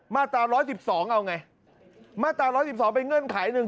มาตรา๑๑๒เอาไงมาตรา๑๑๒เป็นเงื่อนไขหนึ่ง